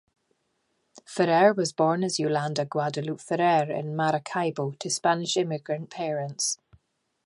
Ferrer was born as Yolanda Guadalupe Ferrer in Maracaibo to Spanish immigrant parents.